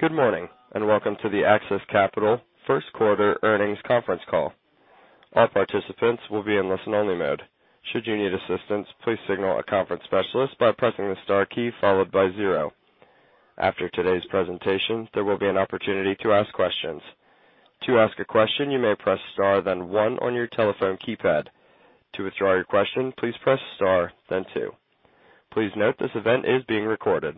Good morning, and welcome to the AXIS Capital first quarter earnings conference call. All participants will be in listen only mode. Should you need assistance, please signal a conference specialist by pressing the star key followed by zero. After today's presentation, there will be an opportunity to ask questions. To ask a question, you may press star, then one on your telephone keypad. To withdraw your question, please press star, then two. Please note this event is being recorded.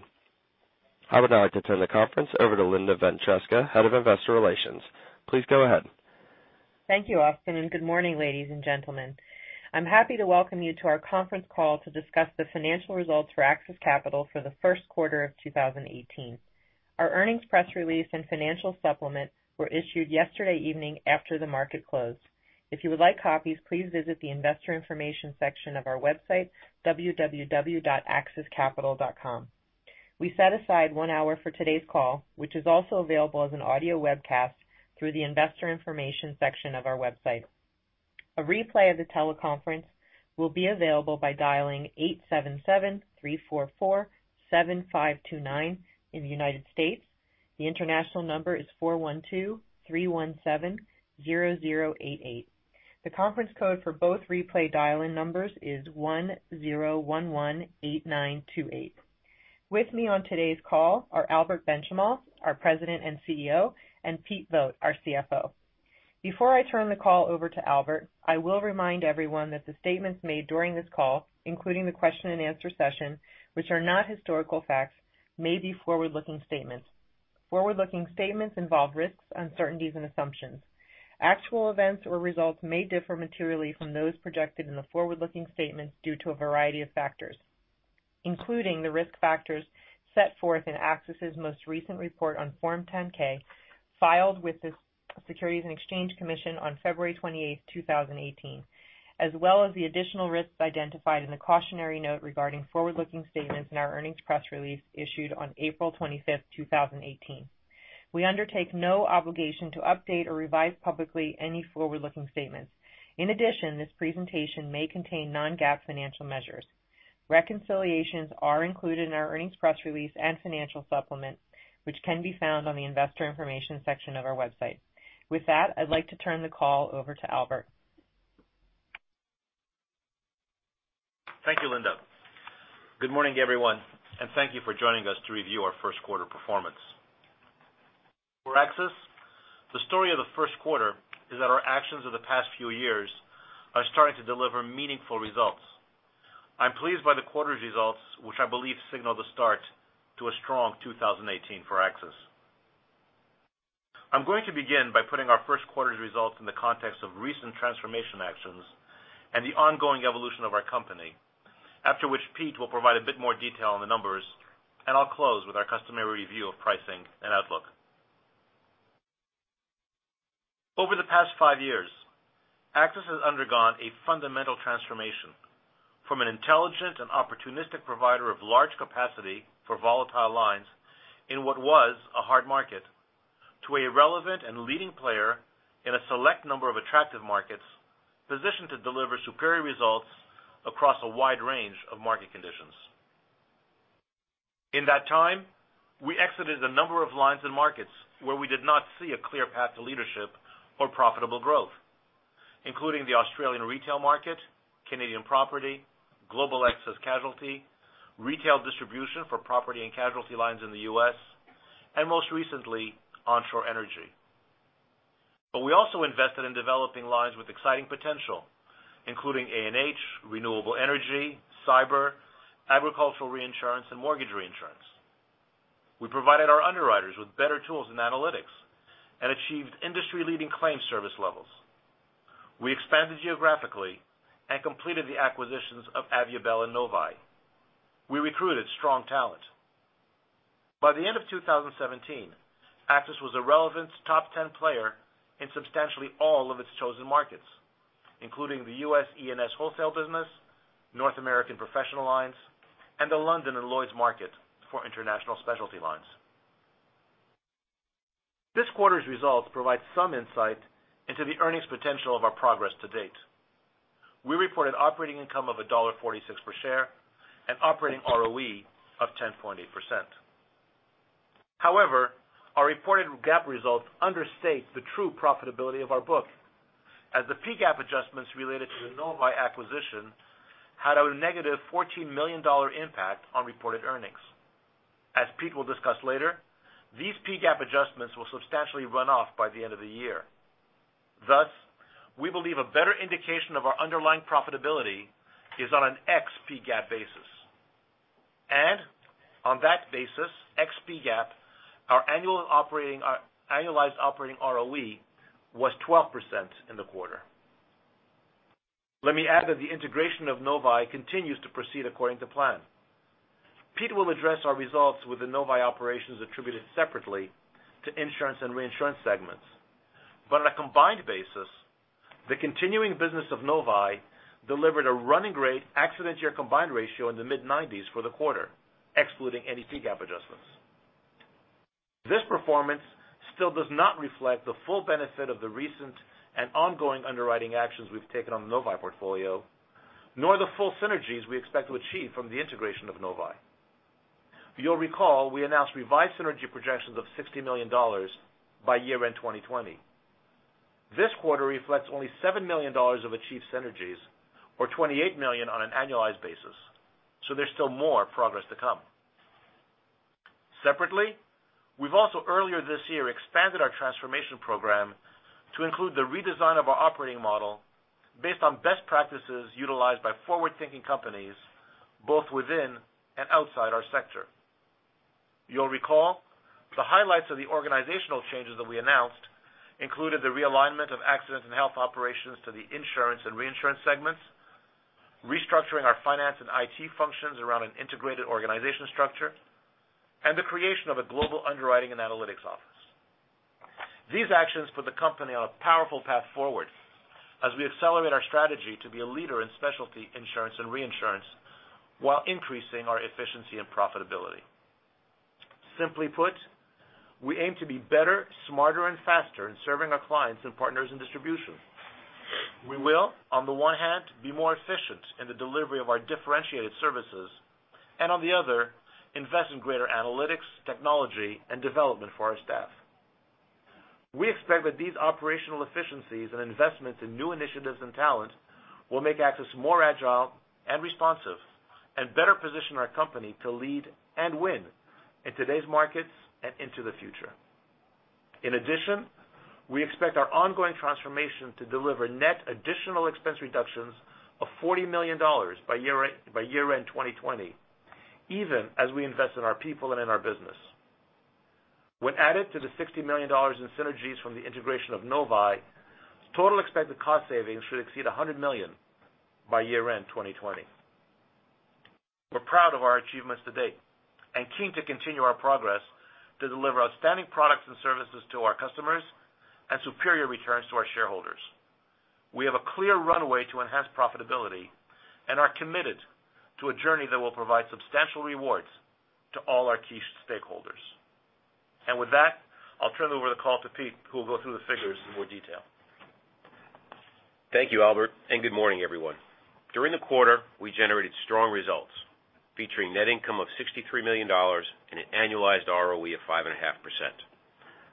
I would now like to turn the conference over to Linda Ventresca, Head of Investor Relations. Please go ahead. Thank you, Austin, and good morning, ladies and gentlemen. I'm happy to welcome you to our conference call to discuss the financial results for AXIS Capital for the first quarter of 2018. Our earnings press release and financial supplement were issued yesterday evening after the market closed. If you would like copies, please visit the investor information section of our website, www.axiscapital.com. We set aside one hour for today's call, which is also available as an audio webcast through the investor information section of our website. A replay of the teleconference will be available by dialing 877-344-7529 in the United States. The international number is 412-317-0088. The conference code for both replay dial-in numbers is 10118928. With me on today's call are Albert Benchimol, our President and CEO, and Pete Vogt, our CFO. Before I turn the call over to Albert, I will remind everyone that the statements made during this call, including the question and answer session, which are not historical facts, may be forward-looking statements. Forward-looking statements involve risks, uncertainties, and assumptions. Actual events or results may differ materially from those projected in the forward-looking statements due to a variety of factors, including the risk factors set forth in AXIS's most recent report on Form 10-K, filed with the Securities and Exchange Commission on February 28th, 2018, as well as the additional risks identified in the cautionary note regarding forward-looking statements in our earnings press release issued on April 25th, 2018. We undertake no obligation to update or revise publicly any forward-looking statements. In addition, this presentation may contain non-GAAP financial measures. Reconciliations are included in our earnings press release and financial supplement, which can be found on the investor information section of our website. With that, I'd like to turn the call over to Albert. Thank you, Linda. Good morning, everyone, and thank you for joining us to review our first quarter performance. For AXIS, the story of the first quarter is that our actions of the past few years are starting to deliver meaningful results. I'm pleased by the quarter's results, which I believe signal the start to a strong 2018 for AXIS. I'm going to begin by putting our first quarter's results in the context of recent transformation actions and the ongoing evolution of our company. After which, Pete will provide a bit more detail on the numbers, and I'll close with our customary review of pricing and outlook. Over the past five years, AXIS has undergone a fundamental transformation from an intelligent and opportunistic provider of large capacity for volatile lines in what was a hard market, to a relevant and leading player in a select number of attractive markets, positioned to deliver superior results across a wide range of market conditions. In that time, we exited a number of lines and markets where we did not see a clear path to leadership or profitable growth, including the Australian retail market, Canadian property, global excess casualty, retail distribution for property and casualty lines in the U.S., and most recently, onshore energy. We also invested in developing lines with exciting potential, including A&H, renewable energy, Cyber, agricultural reinsurance, and mortgage reinsurance. We provided our underwriters with better tools and analytics and achieved industry-leading claim service levels. We expanded geographically and completed the acquisitions of Aviabel and Novae. We recruited strong talent. By the end of 2017, AXIS was a relevant top 10 player in substantially all of its chosen markets, including the U.S. E&S wholesale business, North American professional lines, and the London and Lloyd's market for international specialty lines. This quarter's results provide some insight into the earnings potential of our progress to date. We reported operating income of $1.46 per share and operating ROE of 10.8%. However, our reported GAAP results understate the true profitability of our book, as the PGAAP adjustments related to the Novae acquisition had a negative $14 million impact on reported earnings. As Pete will discuss later, these PGAAP adjustments will substantially run off by the end of the year. Thus, we believe a better indication of our underlying profitability is on an ex-PGAAP basis. On that basis, ex-PGAAP, our annualized operating ROE was 12% in the quarter. Let me add that the integration of Novae continues to proceed according to plan. Pete will address our results with the Novae operations attributed separately to insurance and reinsurance segments. On a combined basis, the continuing business of Novae delivered a running rate accident year combined ratio in the mid-90s for the quarter, excluding any PGAAP adjustments. This performance still does not reflect the full benefit of the recent and ongoing underwriting actions we've taken on the Novae portfolio Nor the full synergies we expect to achieve from the integration of Novae. You'll recall, we announced revised synergy projections of $60 million by year-end 2020. This quarter reflects only $7 million of achieved synergies or $28 million on an annualized basis. There's still more progress to come. Separately, we've also earlier this year expanded our transformation program to include the redesign of our operating model based on best practices utilized by forward-thinking companies both within and outside our sector. You'll recall, the highlights of the organizational changes that we announced included the realignment of accident and health operations to the insurance and reinsurance segments, restructuring our finance and IT functions around an integrated organization structure, and the creation of a global underwriting and analytics office. These actions put the company on a powerful path forward as we accelerate our strategy to be a leader in specialty insurance and reinsurance, while increasing our efficiency and profitability. Simply put, we aim to be better, smarter, and faster in serving our clients and partners in distribution. We will, on the one hand, be more efficient in the delivery of our differentiated services, and on the other, invest in greater analytics, technology, and development for our staff. We expect that these operational efficiencies and investments in new initiatives and talent will make AXIS more agile and responsive, and better position our company to lead and win in today's markets and into the future. In addition, we expect our ongoing transformation to deliver net additional expense reductions of $40 million by year-end 2020, even as we invest in our people and in our business. When added to the $60 million in synergies from the integration of Novae, total expected cost savings should exceed $100 million by year-end 2020. We're proud of our achievements to date and keen to continue our progress to deliver outstanding products and services to our customers and superior returns to our shareholders. We have a clear runway to enhance profitability and are committed to a journey that will provide substantial rewards to all our key stakeholders. With that, I'll turn over the call to Pete, who will go through the figures in more detail. Thank you, Albert, and good morning, everyone. During the quarter, we generated strong results featuring net income of $63 million and an annualized ROE of 5.5%.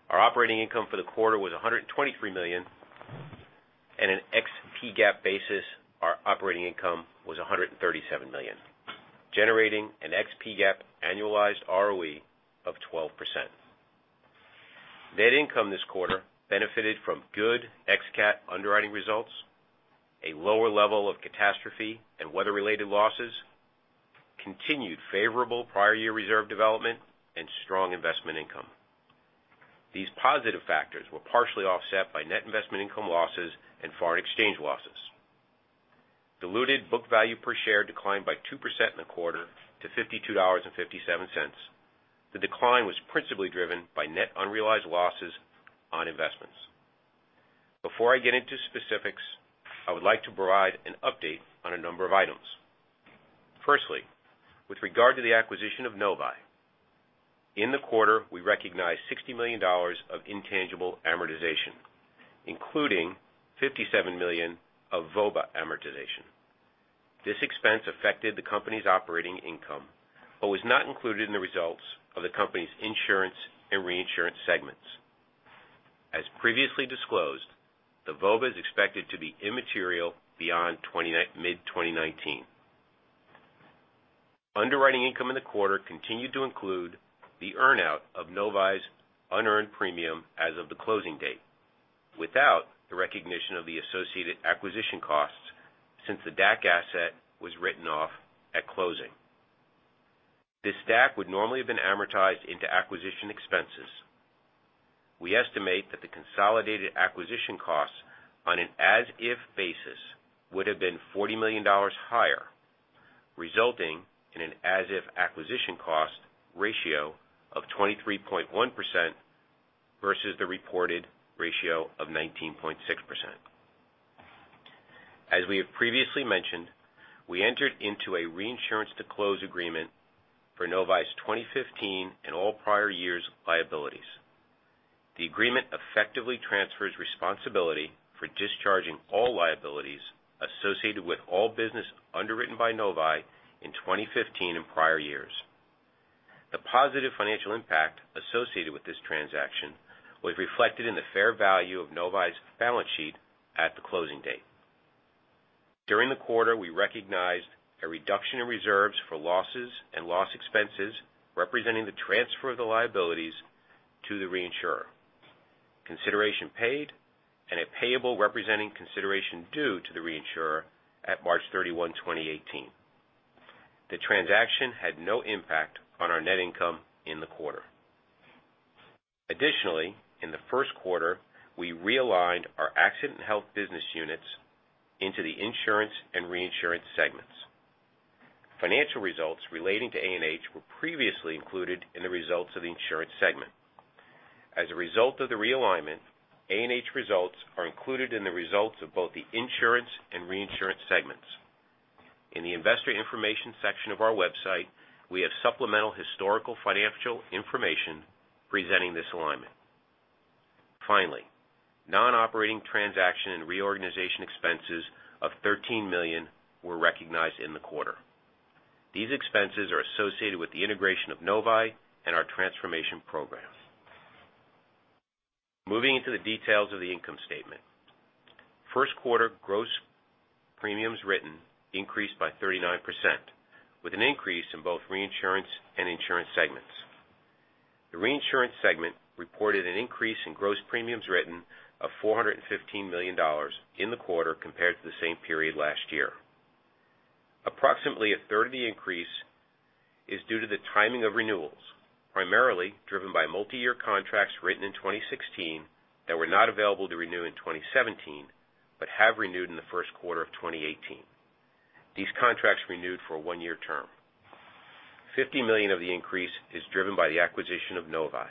Our operating income for the quarter was $123 million, and an ex PGAAP basis, our operating income was $137 million, generating an ex PGAAP annualized ROE of 12%. Net income this quarter benefited from good ex CAT underwriting results, a lower level of catastrophe and weather-related losses, continued favorable prior year reserve development, and strong investment income. These positive factors were partially offset by net investment income losses and foreign exchange losses. Diluted book value per share declined by 2% in the quarter to $52.57. The decline was principally driven by net unrealized losses on investments. Before I get into specifics, I would like to provide an update on a number of items. Firstly, with regard to the acquisition of Novae, in the quarter, we recognized $60 million of intangible amortization, including $57 million of VOBA amortization. This expense affected the company's operating income but was not included in the results of the company's insurance and reinsurance segments. As previously disclosed, the VOBA is expected to be immaterial beyond mid-2019. Underwriting income in the quarter continued to include the earn-out of Novae's unearned premium as of the closing date, without the recognition of the associated acquisition costs since the DAC asset was written off at closing. This DAC would normally have been amortized into acquisition expenses. We estimate that the consolidated acquisition costs on an as-if basis would have been $40 million higher, resulting in an as-if acquisition cost ratio of 23.1% versus the reported ratio of 19.6%. As we have previously mentioned, we entered into a reinsurance to close agreement for Novae's 2015 and all prior years' liabilities. The agreement effectively transfers responsibility for discharging all liabilities associated with all business underwritten by Novae in 2015 and prior years. The positive financial impact associated with this transaction was reflected in the fair value of Novae's balance sheet at the closing date. During the quarter, we recognized a reduction in reserves for losses and loss expenses representing the transfer of the liabilities to the reinsurer, consideration paid, and a payable representing consideration due to the reinsurer at March 31, 2018. The transaction had no impact on our net income in the quarter. In the first quarter, we realigned our accident and health business units into the insurance and reinsurance segments. Financial results relating to A&H were previously included in the results of the insurance segment. As a result of the realignment, A&H results are included in the results of both the insurance and reinsurance segments. In the investor information section of our website, we have supplemental historical financial information presenting this alignment. Non-operating transaction and reorganization expenses of $13 million were recognized in the quarter. These expenses are associated with the integration of Novae and our transformation program. Moving into the details of the income statement. First quarter gross premiums written increased by 39%, with an increase in both reinsurance and insurance segments. The reinsurance segment reported an increase in gross premiums written of $415 million in the quarter compared to the same period last year. Approximately a third of the increase is due to the timing of renewals, primarily driven by multi-year contracts written in 2016 that were not available to renew in 2017 but have renewed in the first quarter of 2018. These contracts renewed for a one-year term. $50 million of the increase is driven by the acquisition of Novae.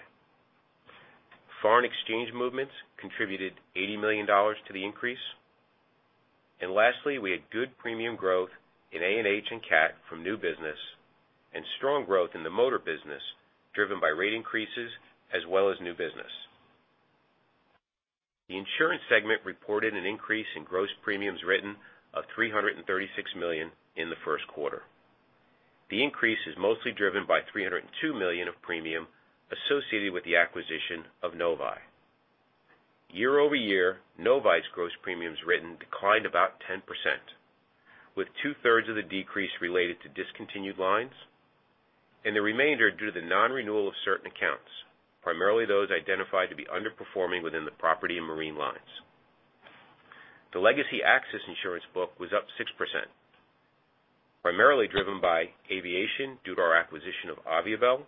Foreign exchange movements contributed $80 million to the increase. Lastly, we had good premium growth in A&H and CAT from new business and strong growth in the motor business, driven by rate increases as well as new business. The insurance segment reported an increase in gross premiums written of $336 million in the first quarter. The increase is mostly driven by $302 million of premium associated with the acquisition of Novae. Year-over-year, Novae's gross premiums written declined about 10%, with two-thirds of the decrease related to discontinued lines, and the remainder due to the non-renewal of certain accounts, primarily those identified to be underperforming within the property and marine lines. The legacy AXIS insurance book was up 6%, primarily driven by aviation due to our acquisition of Aviabel,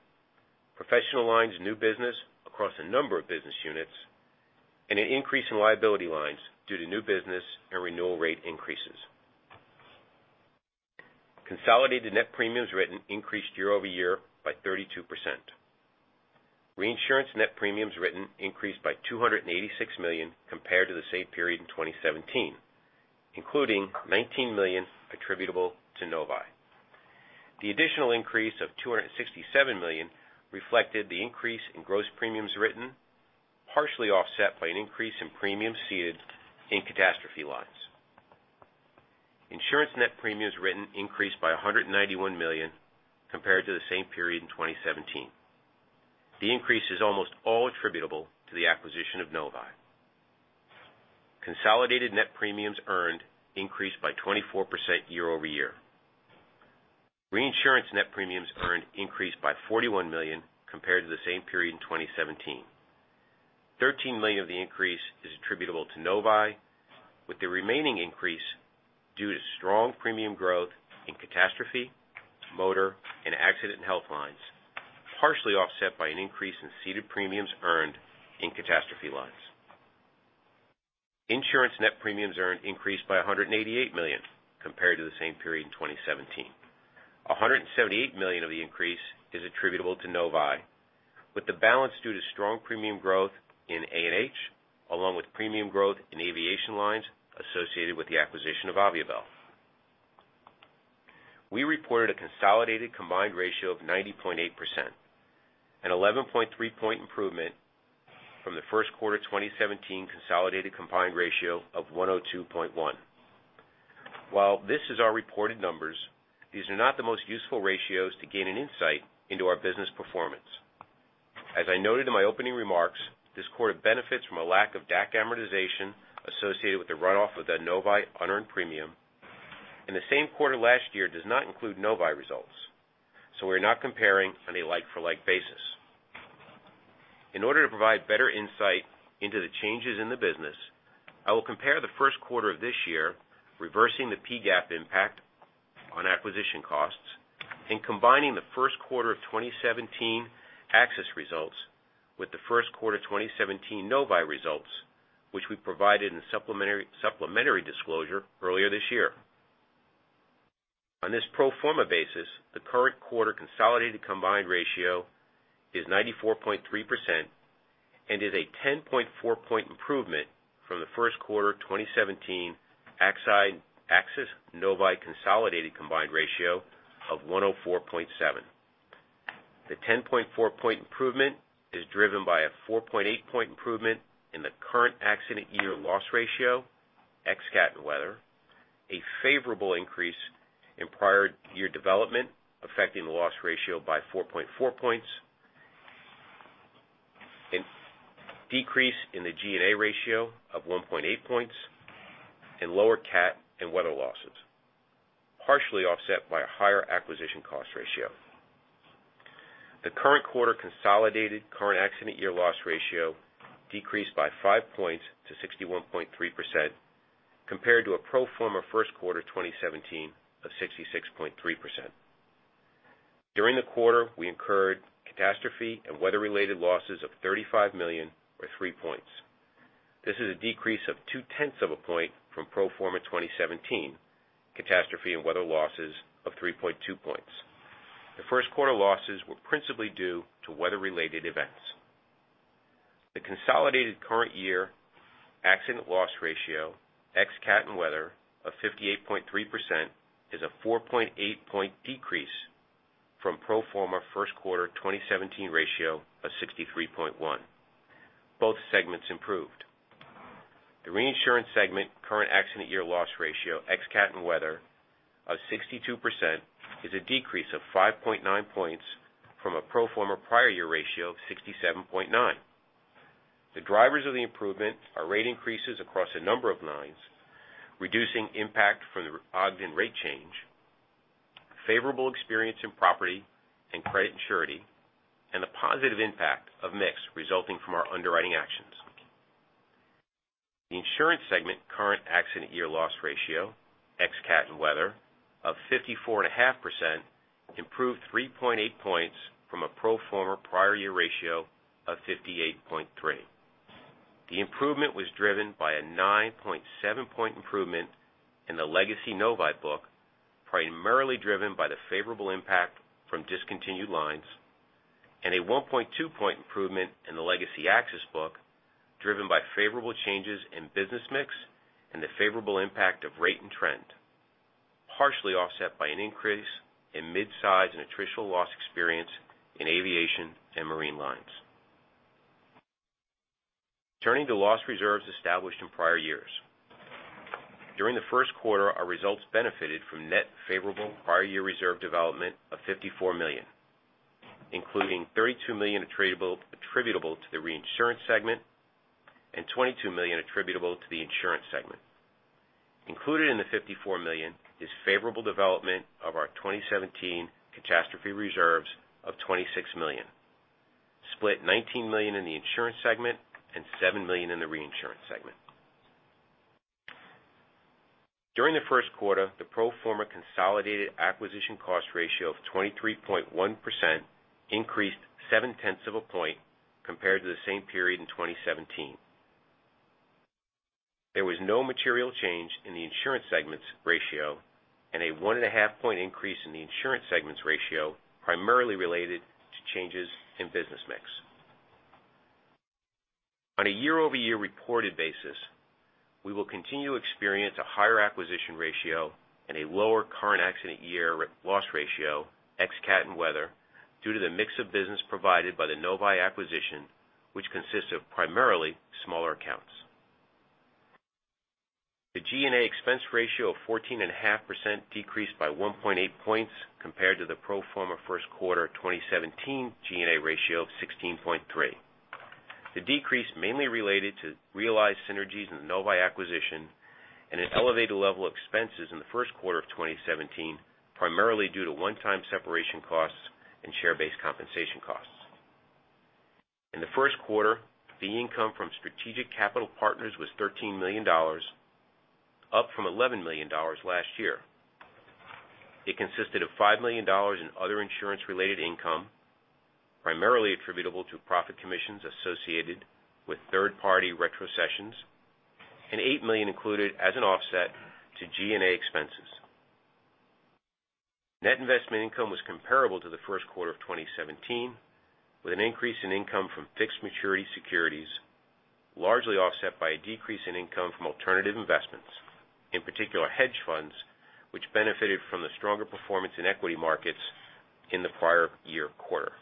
professional lines new business across a number of business units, and an increase in liability lines due to new business and renewal rate increases. Consolidated net premiums written increased year-over-year by 32%. Reinsurance net premiums written increased by $286 million compared to the same period in 2017, including $19 million attributable to Novae. The additional increase of $267 million reflected the increase in gross premiums written, partially offset by an increase in premiums ceded in catastrophe lines. Insurance net premiums written increased by $191 million compared to the same period in 2017. The increase is almost all attributable to the acquisition of Novae. Consolidated net premiums earned increased by 24% year-over-year. Reinsurance net premiums earned increased by $41 million compared to the same period in 2017. $13 million of the increase is attributable to Novae, with the remaining increase due to strong premium growth in catastrophe, motor, and accident and health lines, partially offset by an increase in ceded premiums earned in catastrophe lines. Insurance net premiums earned increased by $188 million compared to the same period in 2017. $178 million of the increase is attributable to Novae, with the balance due to strong premium growth in A&H, along with premium growth in aviation lines associated with the acquisition of Aviabel. We reported a consolidated combined ratio of 90.8%, an 11.3 point improvement from the first quarter 2017 consolidated combined ratio of 102.1. While this is our reported numbers, these are not the most useful ratios to gain an insight into our business performance. As I noted in my opening remarks, this quarter benefits from a lack of DAC amortization associated with the runoff of the Novae unearned premium, and the same quarter last year does not include Novae results, we're not comparing on a like-for-like basis. In order to provide better insight into the changes in the business, I will compare the first quarter of this year, reversing the PGAAP impact on acquisition costs and combining the first quarter of 2017 AXIS results with the first quarter 2017 Novae results, which we provided in supplementary disclosure earlier this year. On this pro forma basis, the current quarter consolidated combined ratio is 94.3% and is a 10.4 point improvement from the first quarter 2017 AXIS Novae consolidated combined ratio of 104.7. The 10.4 point improvement is driven by a 4.8 point improvement in the current accident year loss ratio, ex CAT and weather, a favorable increase in prior year development affecting the loss ratio by 4.4 points, a decrease in the G&A ratio of 1.8 points, and lower CAT and weather losses, partially offset by a higher acquisition cost ratio. The current quarter consolidated current accident year loss ratio decreased by five points to 61.3%, compared to a pro forma first quarter 2017 of 66.3%. During the quarter, we incurred catastrophe and weather-related losses of $35 million or three points. This is a decrease of two-tenths of a point from pro forma 2017 CAT and weather losses of 3.2 points. The first quarter losses were principally due to weather-related events. The consolidated current year accident loss ratio, ex CAT and weather, of 58.3%, is a 4.8 point decrease from pro forma first quarter 2017 ratio of 63.1%. Both segments improved. The reinsurance segment current accident year loss ratio, ex CAT and weather, of 62%, is a decrease of 5.9 points from a pro forma prior year ratio of 67.9%. The drivers of the improvement are rate increases across a number of lines, reducing impact from the Ogden rate change, favorable experience in property and credit and surety, and the positive impact of mix resulting from our underwriting actions. The insurance segment current accident year loss ratio, ex CAT and weather, of 54.5%, improved 3.8 points from a pro forma prior year ratio of 58.3%. The improvement was driven by a 9.7 point improvement in the legacy Novae book, primarily driven by the favorable impact from discontinued lines, and a 1.2 point improvement in the legacy AXIS book, driven by favorable changes in business mix and the favorable impact of rate and trend, partially offset by an increase in mid-size and attritional loss experience in aviation and marine lines. Turning to loss reserves established in prior years. During the first quarter, our results benefited from net favorable prior year reserve development of $54 million, including $32 million attributable to the reinsurance segment and $22 million attributable to the insurance segment. Included in the $54 million is favorable development of our 2017 CAT reserves of $26 million, split $19 million in the insurance segment and $7 million in the reinsurance segment. During the first quarter, the pro forma consolidated acquisition cost ratio of 23.1% increased seven tenths of a point compared to the same period in 2017. There was no material change in the insurance segments ratio and a 1.5 point increase in the insurance segments ratio, primarily related to changes in business mix. On a year-over-year reported basis, we will continue to experience a higher acquisition ratio and a lower current accident year loss ratio, ex CAT and weather, due to the mix of business provided by the Novae acquisition, which consists of primarily smaller accounts. The G&A expense ratio of 14.5% decreased by 1.8 points compared to the pro forma first quarter 2017 G&A ratio of 16.3%. The decrease mainly related to realized synergies in the Novae acquisition and an elevated level of expenses in the first quarter of 2017, primarily due to one-time separation costs and share-based compensation costs. In the first quarter, the income from strategic capital partners was $13 million, up from $11 million last year. It consisted of $5 million in other insurance-related income, primarily attributable to profit commissions associated with third-party retrocessions, and $8 million included as an offset to G&A expenses. Net investment income was comparable to the first quarter of 2017, with an increase in income from fixed maturity securities, largely offset by a decrease in income from alternative investments, in particular hedge funds, which benefited from the stronger performance in equity markets in the prior year quarter.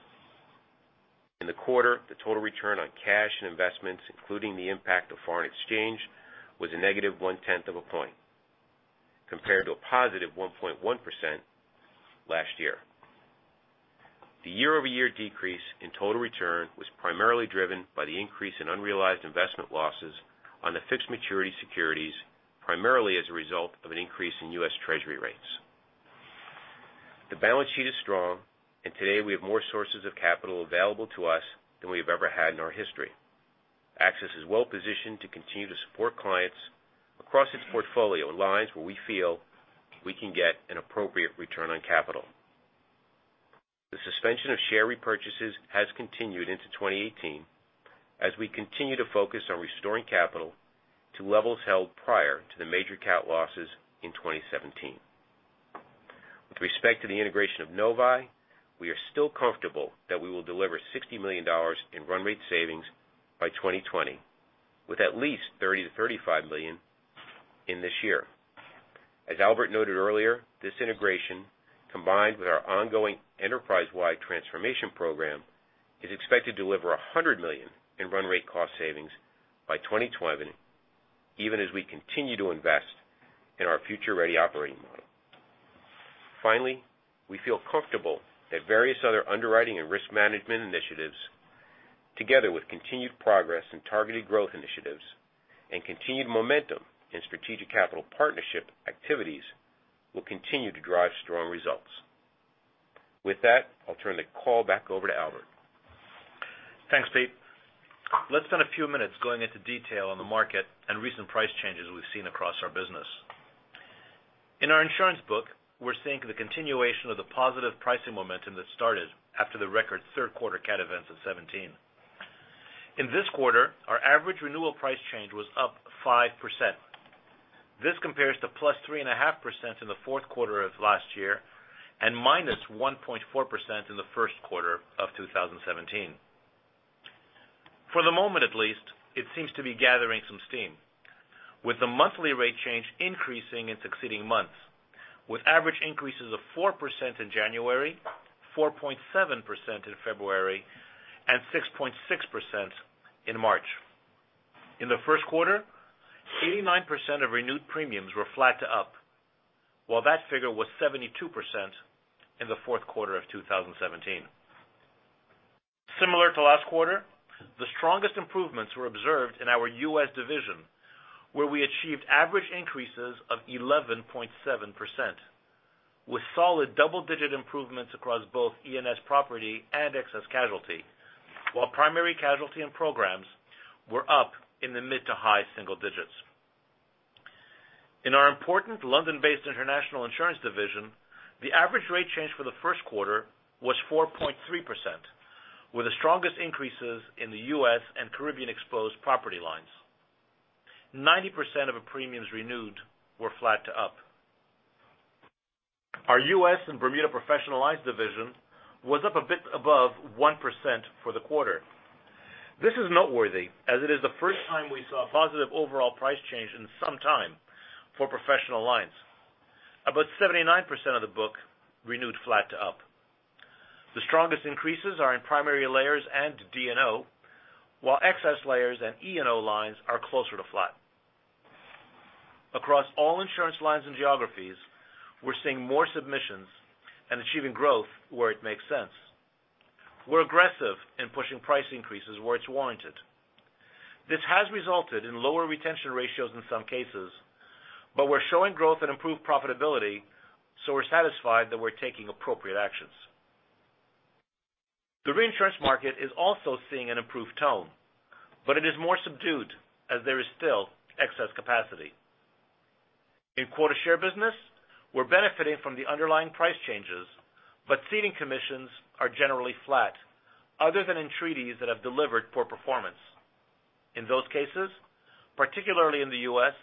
In the quarter, the total return on cash and investments, including the impact of foreign exchange, was a negative one tenth of a point, compared to a positive 1.1% last year. The year-over-year decrease in total return was primarily driven by the increase in unrealized investment losses on the fixed maturity securities, primarily as a result of an increase in U.S. Treasury rates. The balance sheet is strong, and today we have more sources of capital available to us than we have ever had in our history. AXIS is well positioned to continue to support clients across its portfolio in lines where we feel we can get an appropriate return on capital. The suspension of share repurchases has continued into 2018, as we continue to focus on restoring capital to levels held prior to the major CAT losses in 2017. With respect to the integration of Novae, we are still comfortable that we will deliver $60 million in run rate savings by 2020, with at least $30 million-$35 million in this year. As Albert noted earlier, this integration, combined with our ongoing enterprise-wide transformation program, is expected to deliver $100 million in run rate cost savings by 2020, even as we continue to invest in our future-ready operating model. Finally, we feel comfortable that various other underwriting and risk management initiatives, together with continued progress in targeted growth initiatives and continued momentum in strategic capital partnership activities, will continue to drive strong results. With that, I'll turn the call back over to Albert. Thanks, Pete. Let's spend a few minutes going into detail on the market and recent price changes we've seen across our business. In our insurance book, we're seeing the continuation of the positive pricing momentum that started after the record third quarter CAT events of 2017. In this quarter, our average renewal price change was up 5%. This compares to +3.5% in the fourth quarter of last year and -1.4% in the first quarter of 2017. For the moment at least, it seems to be gathering some steam, with the monthly rate change increasing in succeeding months, with average increases of 4% in January, 4.7% in February, and 6.6% in March. In the first quarter, 89% of renewed premiums were flat to up, while that figure was 72% in the fourth quarter of 2017. Similar to last quarter, the strongest improvements were observed in our U.S. division, where we achieved average increases of 11.7%, with solid double-digit improvements across both E&S property and excess casualty, while primary casualty and programs were up in the mid to high single digits. In our important London-based international insurance division, the average rate change for the first quarter was 4.3%, with the strongest increases in the U.S. and Caribbean-exposed property lines. 90% of our premiums renewed were flat to up. Our U.S. and Bermuda professional lines division was up a bit above 1% for the quarter. This is noteworthy, as it is the first time we saw a positive overall price change in some time for professional lines. About 79% of the book renewed flat to up. The strongest increases are in primary layers and D&O, while excess layers and E&O lines are closer to flat. Across all insurance lines and geographies, we're seeing more submissions and achieving growth where it makes sense. We're aggressive in pushing price increases where it's warranted. This has resulted in lower retention ratios in some cases, but we're showing growth and improved profitability, so we're satisfied that we're taking appropriate actions. The reinsurance market is also seeing an improved tone, but it is more subdued, as there is still excess capacity. In quota share business, we're benefiting from the underlying price changes, but ceding commissions are generally flat, other than in treaties that have delivered poor performance. In those cases, particularly in the U.S.,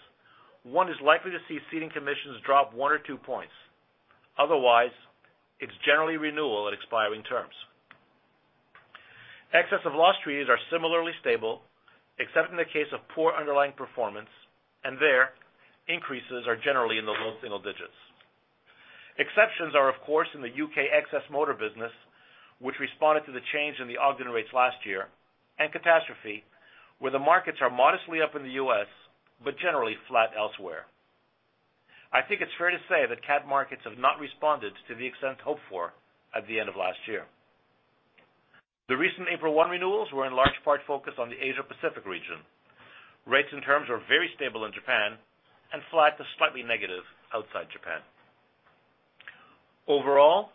one is likely to see ceding commissions drop one or two points. Otherwise, it's generally renewal at expiring terms. Excess of loss treaties are similarly stable, except in the case of poor underlying performance, and there, increases are generally in the low single digits. Exceptions are, of course, in the U.K. excess motor business, which responded to the change in the Ogden rates last year, and catastrophe, where the markets are modestly up in the U.S. but generally flat elsewhere. I think it's fair to say that CAT markets have not responded to the extent hoped for at the end of last year. The recent April 1 renewals were in large part focused on the Asia-Pacific region. Rates and terms are very stable in Japan and flat to slightly negative outside Japan. Overall,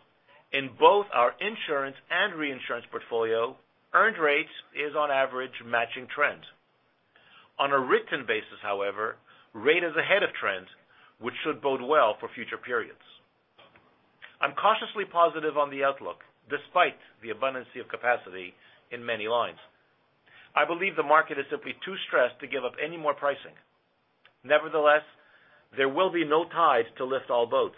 in both our insurance and reinsurance portfolio, earned rates is on average matching trends. On a written basis, however, rate is ahead of trends, which should bode well for future periods. I'm cautiously positive on the outlook, despite the abundance of capacity in many lines. I believe the market is simply too stressed to give up any more pricing. There will be no tide to lift all boats,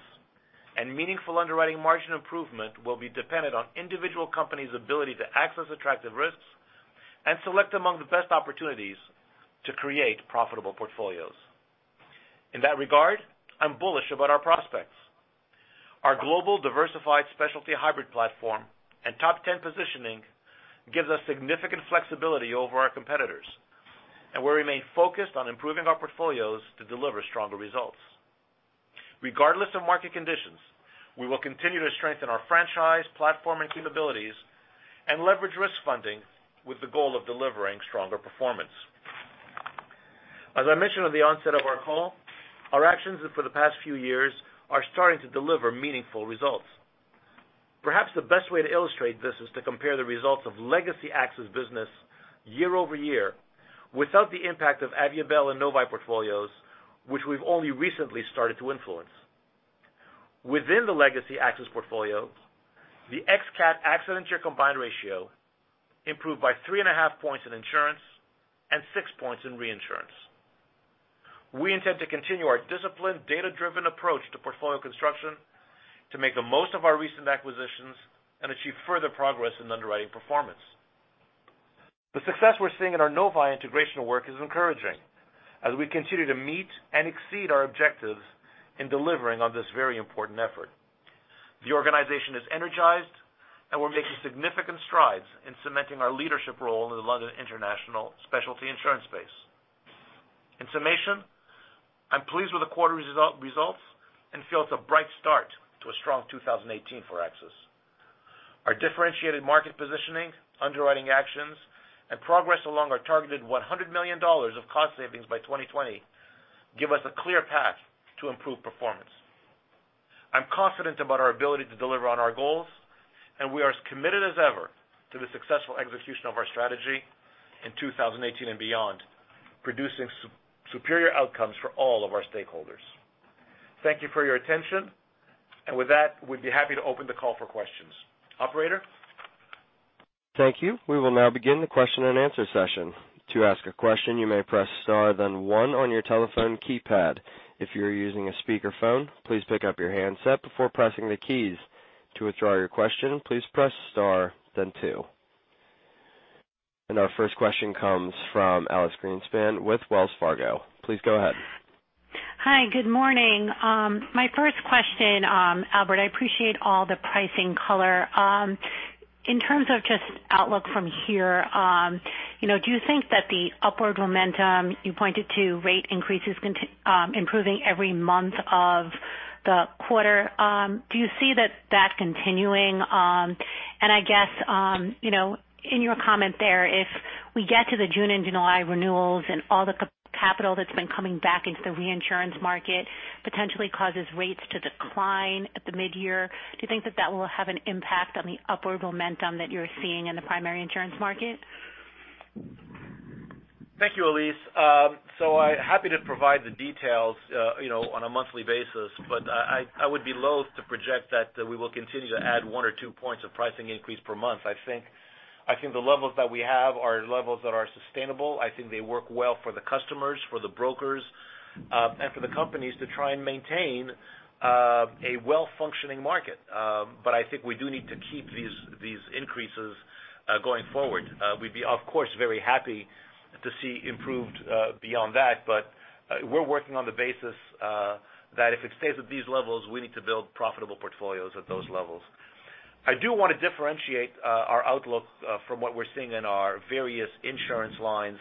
and meaningful underwriting margin improvement will be dependent on individual companies' ability to access attractive risks and select among the best opportunities to create profitable portfolios. In that regard, I'm bullish about our prospects. Our global diversified specialty hybrid platform and top 10 positioning gives us significant flexibility over our competitors, and we remain focused on improving our portfolios to deliver stronger results. Regardless of market conditions, we will continue to strengthen our franchise platform and capabilities and leverage risk funding with the goal of delivering stronger performance. As I mentioned at the onset of our call, our actions for the past few years are starting to deliver meaningful results. Perhaps the best way to illustrate this is to compare the results of legacy AXIS business year-over-year without the impact of Aviabel and Novae portfolios, which we've only recently started to influence. Within the legacy AXIS portfolio, the ex-CAT accidental combined ratio improved by three and a half points in insurance and six points in reinsurance. We intend to continue our disciplined, data-driven approach to portfolio construction to make the most of our recent acquisitions and achieve further progress in underwriting performance. The success we're seeing in our Novae integration work is encouraging as we continue to meet and exceed our objectives in delivering on this very important effort. The organization is energized, and we're making significant strides in cementing our leadership role in the London international specialty insurance space. In summation, I'm pleased with the quarter results and feel it's a bright start to a strong 2018 for AXIS. Our differentiated market positioning, underwriting actions, and progress along our targeted $100 million of cost savings by 2020 give us a clear path to improve performance. I'm confident about our ability to deliver on our goals, and we are as committed as ever to the successful execution of our strategy in 2018 and beyond, producing superior outcomes for all of our stakeholders. Thank you for your attention. With that, we'd be happy to open the call for questions. Operator? Thank you. We will now begin the question and answer session. To ask a question, you may press star then one on your telephone keypad. If you are using a speakerphone, please pick up your handset before pressing the keys. To withdraw your question, please press star then two. Our first question comes from Elyse Greenspan with Wells Fargo. Please go ahead. Hi, good morning. My first question, Albert, I appreciate all the pricing color. In terms of just outlook from here, do you think that the upward momentum you pointed to rate increases improving every month of the quarter, do you see that continuing? I guess, in your comment there, if we get to the June and July renewals and all the capital that's been coming back into the reinsurance market potentially causes rates to decline at the mid-year, do you think that that will have an impact on the upward momentum that you're seeing in the primary insurance market? Thank you, Elyse. I'm happy to provide the details on a monthly basis, but I would be loath to project that we will continue to add one or two points of pricing increase per month. I think the levels that we have are levels that are sustainable. I think they work well for the customers, for the brokers, and for the companies to try and maintain a well-functioning market. I think we do need to keep these increases going forward. We'd be, of course, very happy to see improved beyond that. We're working on the basis that if it stays at these levels, we need to build profitable portfolios at those levels. I do want to differentiate our outlook from what we're seeing in our various insurance lines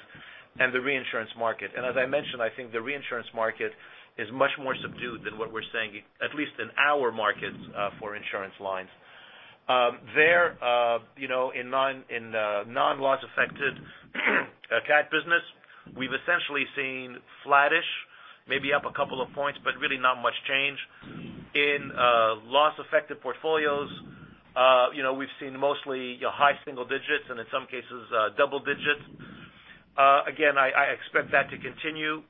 and the reinsurance market. As I mentioned, I think the reinsurance market is much more subdued than what we're seeing, at least in our markets, for insurance lines. There, in non-loss affected CAT business, we've essentially seen flattish, maybe up a couple of points, but really not much change. In loss affected portfolios, we've seen mostly high single digits and in some cases, double digits. I expect that to continue.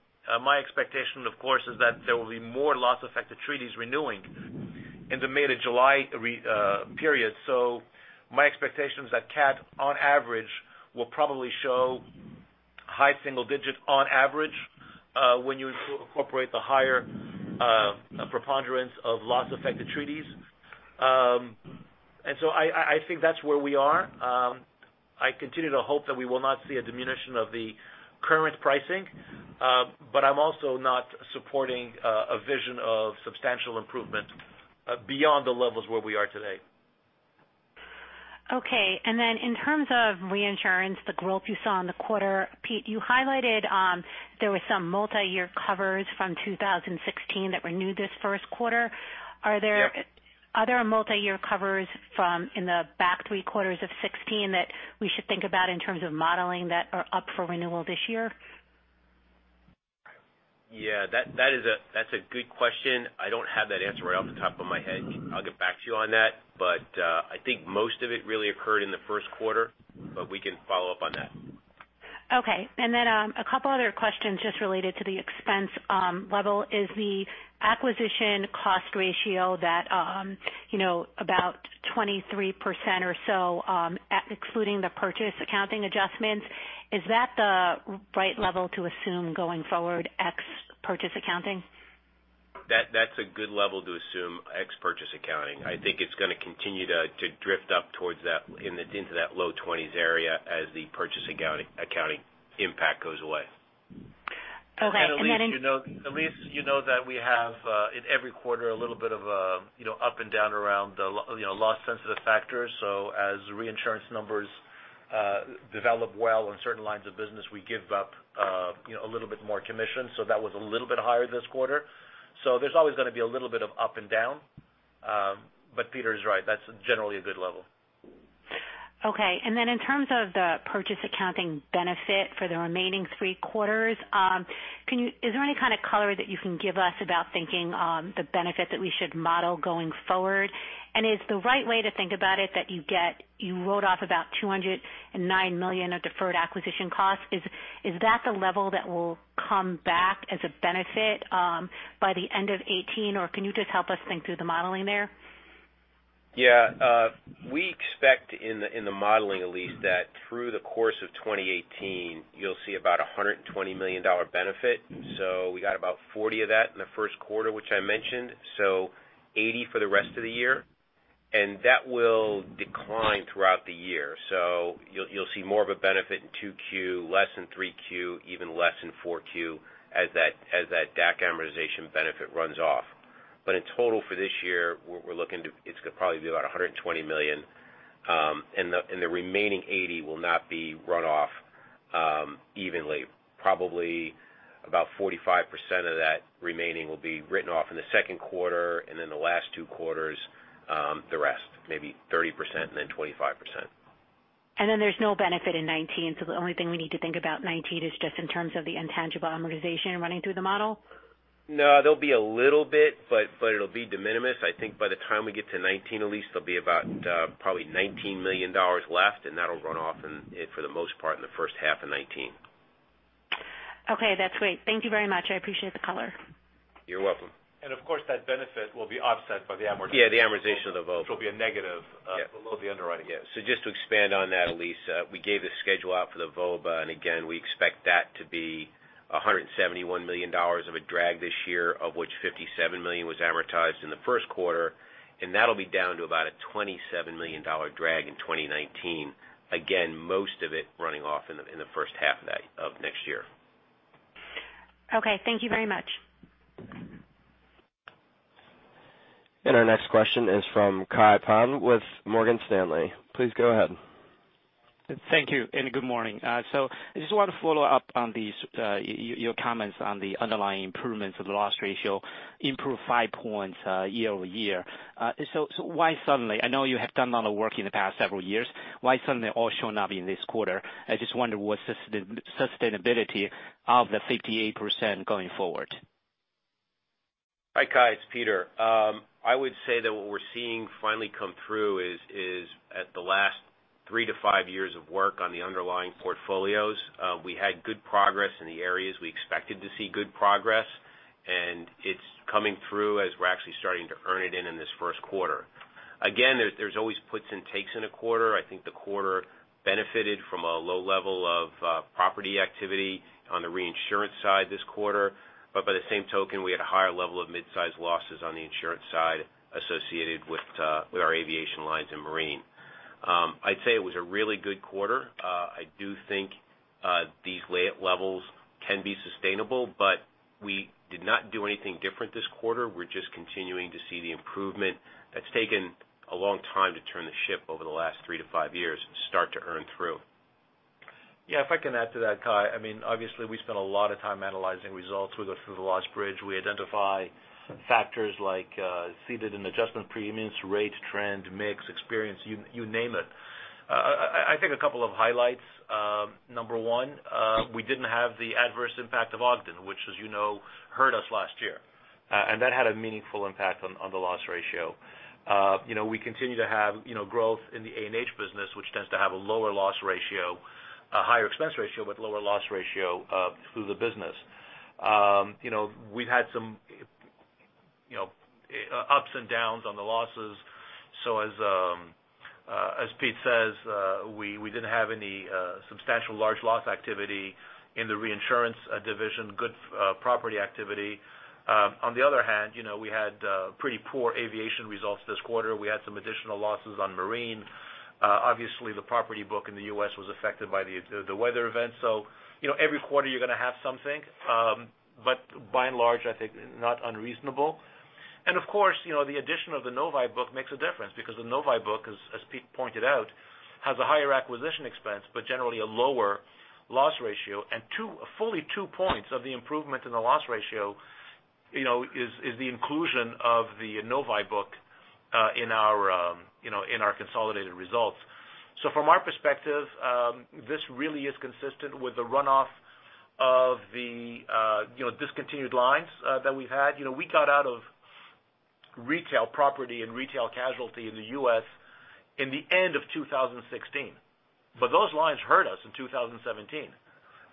My expectation, of course, is that there will be more loss affected treaties renewing in the May to July period. My expectation is that CAT, on average, will probably show high single digits on average when you incorporate the higher preponderance of loss affected treaties. I think that's where we are. I continue to hope that we will not see a diminution of the current pricing. I'm also not supporting a vision of substantial improvement beyond the levels where we are today. Okay. In terms of reinsurance, the growth you saw in the quarter, Pete, you highlighted there were some multi-year covers from 2016 that renewed this first quarter. Yep. Are there other multi-year covers from in the back three quarters of 2016 that we should think about in terms of modeling that are up for renewal this year? Yeah, that's a good question. I don't have that answer right off the top of my head. I'll get back to you on that. I think most of it really occurred in the first quarter, but we can follow up on that. Okay. A couple other questions just related to the expense level. Is the acquisition cost ratio that about 23% or so excluding the purchase accounting adjustments, is that the right level to assume going forward ex purchase accounting? That's a good level to assume ex purchase accounting. I think it's going to continue to drift up into that low 20s area as the purchase accounting impact goes away. Okay. Elyse, you know that we have in every quarter, a little bit of up and down around the loss sensitive factors. As reinsurance numbers develop well in certain lines of business, we give up a little bit more commission. That was a little bit higher this quarter. There's always going to be a little bit of up and down. Pete is right. That's generally a good level. Okay. In terms of the purchase accounting benefit for the remaining three quarters, is there any kind of color that you can give us about thinking the benefit that we should model going forward? Is the right way to think about it that you wrote off about $209 million of deferred acquisition costs. Is that the level that will come back as a benefit by the end of 2018, or can you just help us think through the modeling there? Yeah. We expect in the modeling, Elyse, that through the course of 2018, you'll see about a $120 million benefit. We got about 40 of that in the first quarter, which I mentioned, 80 for the rest of the year. That will decline throughout the year. You'll see more of a benefit in 2Q, less in 3Q, even less in 4Q as that DAC amortization benefit runs off. In total for this year, we're looking to, it's going to probably be about $120 million, and the remaining 80 will not be run off evenly. Probably about 45% of that remaining will be written off in the second quarter, and then the last two quarters, the rest, maybe 30% and then 25%. There's no benefit in 2019, the only thing we need to think about 2019 is just in terms of the intangible amortization running through the model? No, there'll be a little bit, but it'll be de minimis. I think by the time we get to 2019, Elyse, there'll be about probably $19 million left, and that'll run off for the most part in the first half of 2019. Okay, that's great. Thank you very much. I appreciate the color. You're welcome. Of course, that benefit will be offset by the amortization. Yeah, the amortization of. Which will be a negative. The underwriting, yeah. Just to expand on that, Elyse, we gave the schedule out for the VOBA, and again, we expect that to be $171 million of a drag this year, of which $57 million was amortized in the first quarter, and that'll be down to about a $27 million drag in 2019. Again, most of it running off in the first half of next year. Okay. Thank you very much. Our next question is from Kai Pan with Morgan Stanley. Please go ahead. Thank you, and good morning. I just want to follow up on your comments on the underlying improvements of the loss ratio improved five points year-over-year. Why suddenly? I know you have done a lot of work in the past several years. Why suddenly all showing up in this quarter? I just wonder what's the sustainability of the 58% going forward. Hi, Kai. It's Peter. I would say that what we're seeing finally come through is at the last three to five years of work on the underlying portfolios. We had good progress in the areas we expected to see good progress, and it's coming through as we're actually starting to earn it in this first quarter. There's always puts and takes in a quarter. I think the quarter benefited from a low level of property activity on the reinsurance side this quarter. By the same token, we had a higher level of mid-size losses on the insurance side associated with our aviation lines and marine. I'd say it was a really good quarter. I do think these levels can be sustainable, but we did not do anything different this quarter. We're just continuing to see the improvement that's taken a long time to turn the ship over the last three to five years start to earn through. Yeah, if I can add to that, Kai, obviously, we spent a lot of time analyzing results. We go through the loss bridge. We identify factors like ceded and adjustment premiums, rate, trend, mix, experience, you name it. I think a couple of highlights. Number one, we didn't have the adverse impact of Ogden, which as you know, hurt us last year. That had a meaningful impact on the loss ratio. We continue to have growth in the A&H business, which tends to have a higher expense ratio, but lower loss ratio, through the business. We've had some ups and downs on the losses. As Pete says, we didn't have any substantial large loss activity in the reinsurance division, good property activity. On the other hand, we had pretty poor aviation results this quarter. We had some additional losses on marine. Obviously, the property book in the U.S. was affected by the weather events. Every quarter you're going to have something. By and large, I think not unreasonable. Of course, the addition of the Novae book makes a difference because the Novae book, as Pete pointed out, has a higher acquisition expense, but generally a lower loss ratio, and fully two points of the improvement in the loss ratio is the inclusion of the Novae book in our consolidated results. From our perspective, this really is consistent with the runoff of the discontinued lines that we've had. We got out of retail property and retail casualty in the U.S. in the end of 2016. Those lines hurt us in 2017.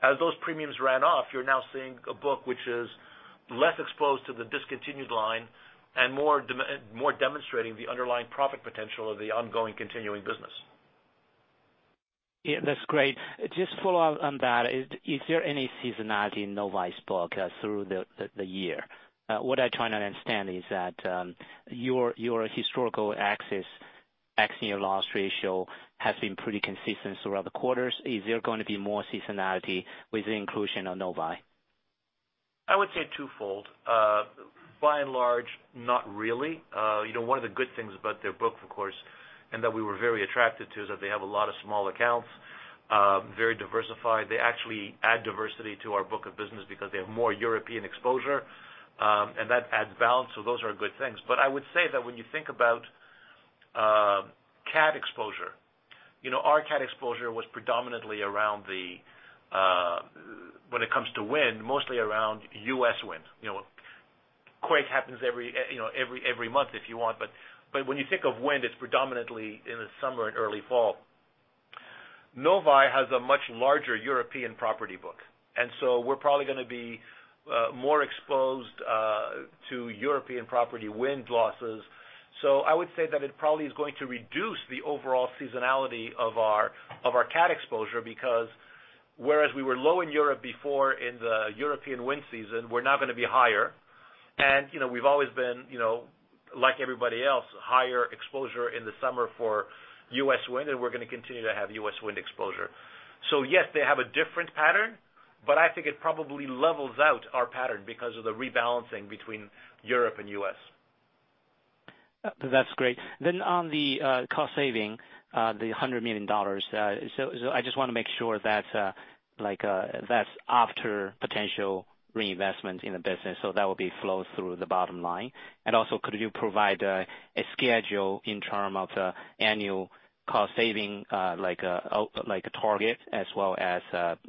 As those premiums ran off, you're now seeing a book which is less exposed to the discontinued line and more demonstrating the underlying profit potential of the ongoing continuing business. Yeah, that's great. Just follow up on that. Is there any seasonality in Novae's book through the year? What I'm trying to understand is that your historical AXIS's loss ratio has been pretty consistent throughout the quarters. Is there going to be more seasonality with the inclusion of Novae? I would say twofold. By and large, not really. One of the good things about their book, of course, and that we were very attracted to, is that they have a lot of small accounts, very diversified. They actually add diversity to our book of business because they have more European exposure, and that adds balance. Those are good things. I would say that when you think about CAT exposure, our CAT exposure was predominantly around the, when it comes to wind, mostly around U.S. wind. Quake happens every month if you want, but when you think of wind, it's predominantly in the summer and early fall. Novae has a much larger European property book, we're probably going to be more exposed to European property wind losses. I would say that it probably is going to reduce the overall seasonality of our CAT exposure because whereas we were low in Europe before in the European wind season, we're now going to be higher. We've always been, like everybody else, higher exposure in the summer for U.S. wind, and we're going to continue to have U.S. wind exposure. Yes, they have a different pattern, but I think it probably levels out our pattern because of the rebalancing between Europe and U.S. That's great. On the cost saving, the $100 million. I just want to make sure that's after potential reinvestment in the business, that would be flows through the bottom line. Also, could you provide a schedule in term of the annual cost saving, like a target as well as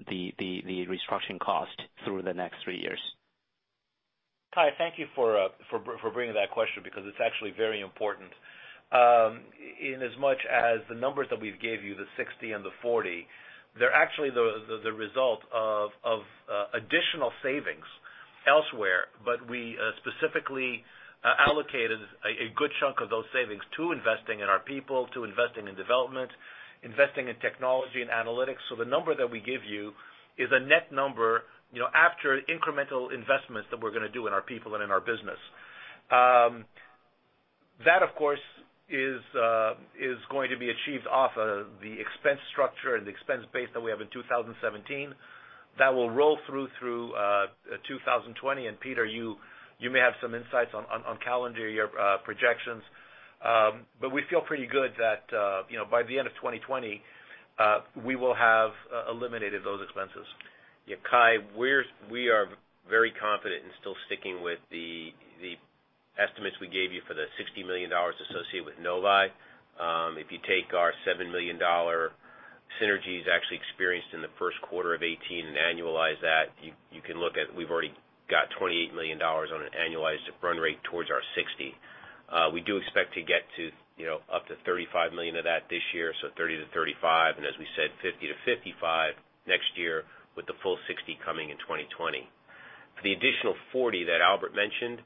the restructuring cost through the next three years? Kai, thank you for bringing that question because it's actually very important. In as much as the numbers that we gave you, the 60 and the 40, they're actually the result of additional savings Elsewhere, but we specifically allocated a good chunk of those savings to investing in our people, to investing in development, investing in technology and analytics. The number that we give you is a net number after incremental investments that we're going to do in our people and in our business. That, of course, is going to be achieved off of the expense structure and the expense base that we have in 2017 that will roll through 2020. Peter, you may have some insights on calendar year projections. We feel pretty good that by the end of 2020, we will have eliminated those expenses. Yeah, Kai, we are very confident in still sticking with the estimates we gave you for the $60 million associated with Novae. If you take our $7 million synergies actually experienced in the first quarter of 2018 and annualize that, you can look at, we've already got $28 million on an annualized run rate towards our $60. We do expect to get up to $35 million of that this year, so $30-$35, and as we said, $50-$55 next year, with the full $60 coming in 2020. For the additional $40 that Albert mentioned,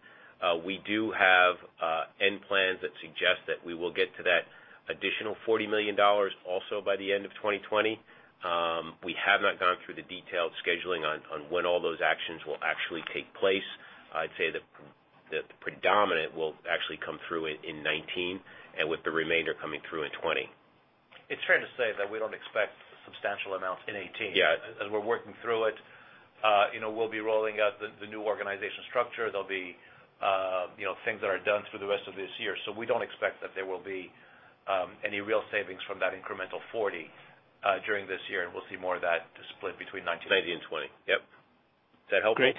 we do have end plans that suggest that we will get to that additional $40 million also by the end of 2020. We have not gone through the detailed scheduling on when all those actions will actually take place. I'd say that the predominant will actually come through in 2019, with the remainder coming through in 2020. It's fair to say that we don't expect substantial amounts in 2018. Yeah. As we're working through it, we'll be rolling out the new organization structure. There'll be things that are done through the rest of this year. We don't expect that there will be any real savings from that incremental $40 during this year, and we'll see more of that split between 2019- 2019 and 2020. Yep. Is that helpful? Great.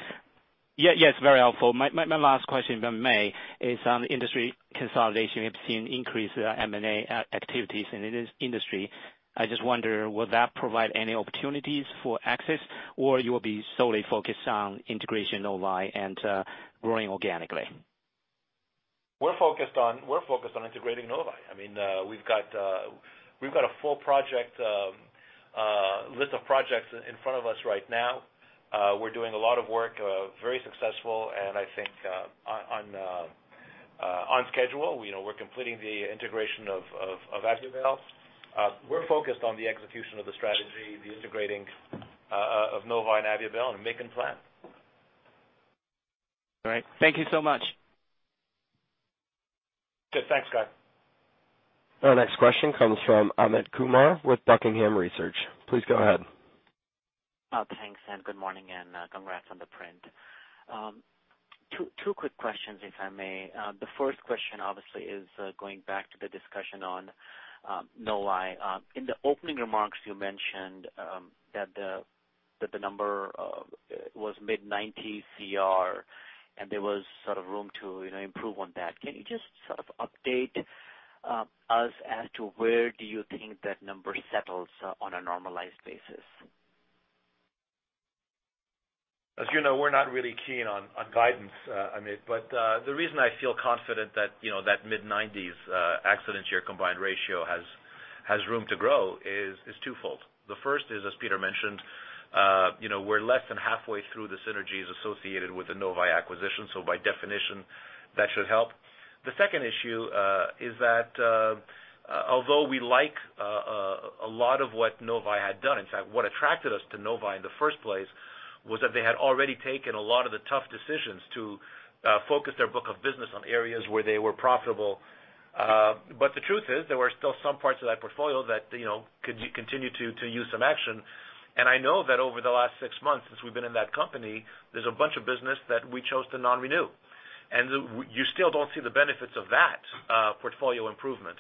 Yeah, it's very helpful. My last question, if I may, is on industry consolidation. We have seen increased M&A activities in industry. I just wonder, will that provide any opportunities for AXIS, or you will be solely focused on integration Novae and growing organically? We're focused on integrating Novae. We've got a full list of projects in front of us right now. We're doing a lot of work, very successful, and I think on schedule. We're completing the integration of Aviabel. We're focused on the execution of the strategy, the integrating of Novae and Aviabel, and making plans. All right. Thank you so much. Good. Thanks, Kai. Our next question comes from Amit Kumar with Buckingham Research. Please go ahead. Thanks, and good morning, and congrats on the print. Two quick questions, if I may. The first question obviously is going back to the discussion on Novae. In the opening remarks, you mentioned that the number was mid-90 CR, and there was sort of room to improve on that. Can you just sort of update us as to where do you think that number settles on a normalized basis? As you know, we're not really keen on guidance, Amit, but the reason I feel confident that mid-90s accident year combined ratio has room to grow is twofold. The first is, as Peter mentioned, we're less than halfway through the synergies associated with the Novae acquisition. By definition, that should help. The second issue is that although we like a lot of what Novae had done, in fact, what attracted us to Novae in the first place was that they had already taken a lot of the tough decisions to focus their book of business on areas where they were profitable. The truth is, there were still some parts of that portfolio that could continue to use some action. I know that over the last six months since we've been in that company, there's a bunch of business that we chose to non-renew. You still don't see the benefits of that portfolio improvement.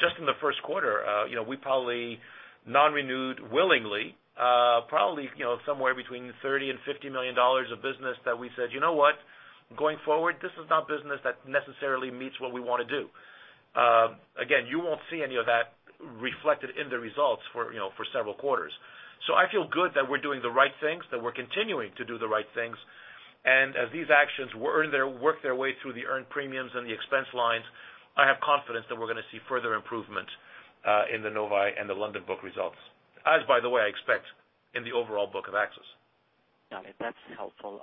Just in the first quarter, we probably non-renewed willingly probably somewhere between $30 million and $50 million of business that we said, "You know what? Going forward, this is not business that necessarily meets what we want to do." Again, you won't see any of that reflected in the results for several quarters. I feel good that we're doing the right things, that we're continuing to do the right things. As these actions work their way through the earned premiums and the expense lines, I have confidence that we're going to see further improvement in the Novae and the London book results. As by the way, I expect in the overall book of AXIS. Got it. That's helpful.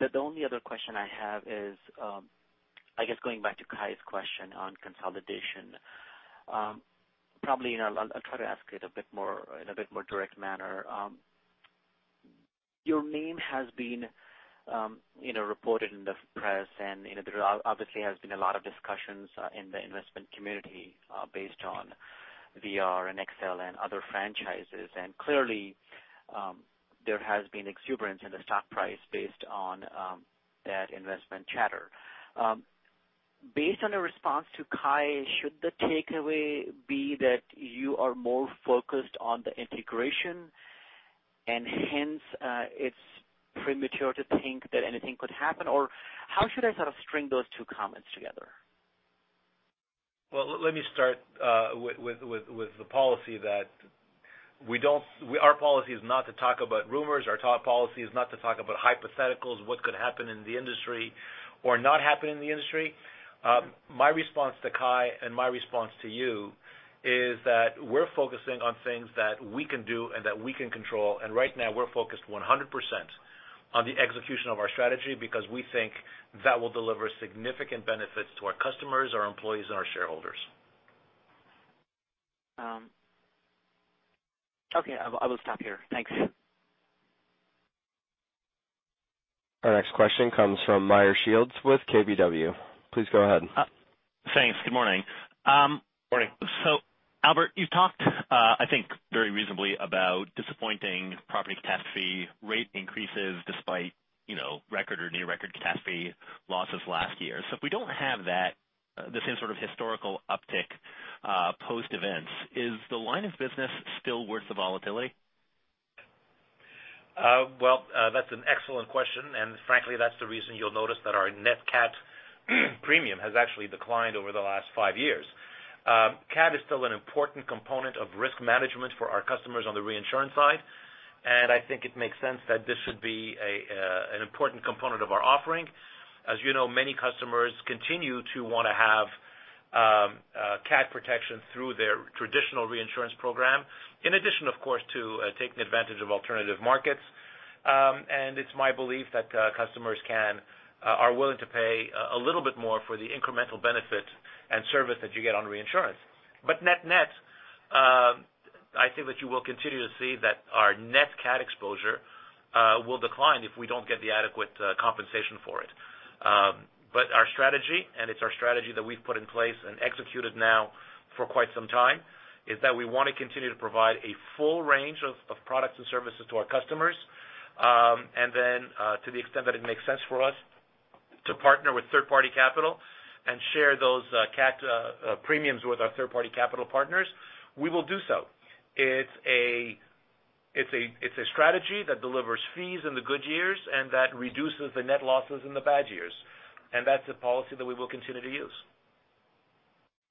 The only other question I have is, I guess going back to Kai's question on consolidation. Probably, I'll try to ask it in a bit more direct manner. Your name has been reported in the press, and there obviously has been a lot of discussions in the investment community based on VR and XL and other franchises. Clearly, there has been exuberance in the stock price based on that investment chatter. Based on the response to Kai, should the takeaway be that you are more focused on the integration, and hence it's premature to think that anything could happen? Or how should I sort of string those two comments together? Well, let me start with the policy that our policy is not to talk about rumors. Our policy is not to talk about hypotheticals, what could happen in the industry. Or not happen in the industry. My response to Kai and my response to you is that we're focusing on things that we can do and that we can control. Right now, we're focused 100% on the execution of our strategy because we think that will deliver significant benefits to our customers, our employees, and our shareholders. Okay. I will stop here. Thanks. Our next question comes from Meyer Shields with KBW. Please go ahead. Thanks. Good morning. Morning. Albert, you've talked, I think very reasonably about disappointing property catastrophe rate increases despite record or near record catastrophe losses last year. If we don't have the same sort of historical uptick post-events, is the line of business still worth the volatility? Well, that's an excellent question, frankly, that's the reason you'll notice that our net CAT premium has actually declined over the last five years. CAT is still an important component of risk management for our customers on the reinsurance side. I think it makes sense that this should be an important component of our offering. As you know, many customers continue to want to have CAT protection through their traditional reinsurance program, in addition of course, to taking advantage of alternative markets. It's my belief that customers are willing to pay a little bit more for the incremental benefit and service that you get on reinsurance. Net-net, I think that you will continue to see that our net CAT exposure will decline if we don't get the adequate compensation for it. Our strategy, and it's our strategy that we've put in place and executed now for quite some time, is that we want to continue to provide a full range of products and services to our customers. Then, to the extent that it makes sense for us to partner with third party capital and share those CAT premiums with our third party capital partners, we will do so. It's a strategy that delivers fees in the good years and that reduces the net losses in the bad years. That's a policy that we will continue to use.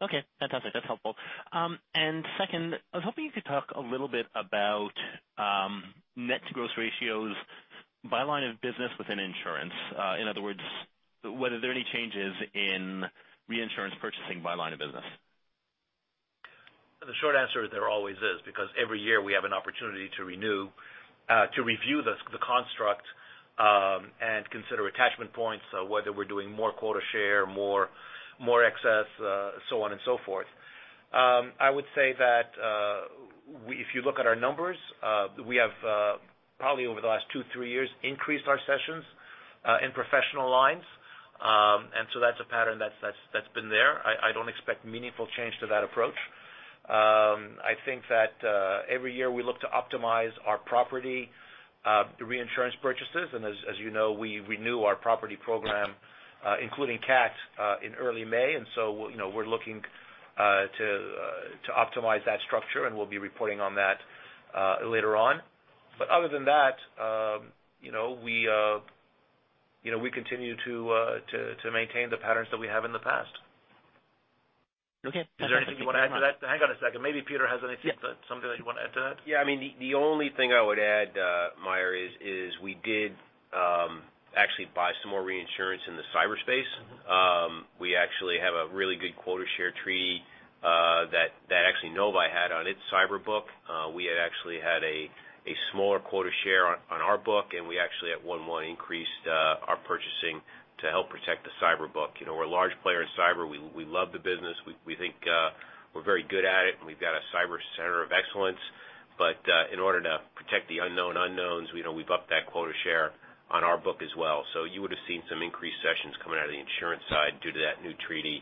Okay. Fantastic. That's helpful. Second, I was hoping you could talk a little bit about net to gross ratios by line of business within insurance. In other words, whether there are any changes in reinsurance purchasing by line of business. The short answer is there always is, because every year we have an opportunity to review the construct, and consider attachment points, whether we're doing more quota share, more excess, so on and so forth. I would say that if you look at our numbers, we have probably over the last two, three years, increased our sessions in professional lines. That's a pattern that's been there. I don't expect meaningful change to that approach. I think that every year we look to optimize our property reinsurance purchases, and as you know, we renew our property program including CATs in early May. We're looking to optimize that structure, and we'll be reporting on that later on. Other than that, we continue to maintain the patterns that we have in the past. Okay. Is there anything you want to add to that? Hang on a second. Maybe Peter has something that you want to add to that. Yeah. The only thing I would add, Meyer, is we did actually buy some more reinsurance in the Cyber space. We actually have a really good quota share treaty that actually Novae had on its Cyber book. We had actually had a smaller quota share on our book, and we actually at one more increased our purchasing to help protect the Cyber book. We're a large player in Cyber. We love the business. We think we're very good at it, and we've got a Cyber Center of Excellence. In order to protect the unknown unknowns, we bumped that quota share on our book as well. You would've seen some increased sessions coming out of the insurance side due to that new treaty.